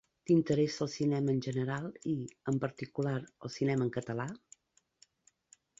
T'interessa el cinema en general i, en particular, el cinema en català?